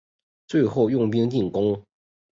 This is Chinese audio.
最后用兵进攻。